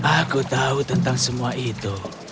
aku tahu tentang semua itu